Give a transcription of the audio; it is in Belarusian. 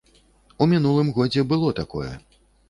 У мінулым годзе было такое.